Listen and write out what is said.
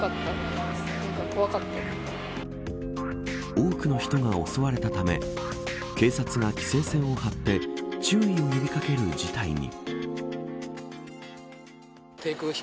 多くの人が襲われたため警察が規制線を張って注意を呼び掛ける事態に。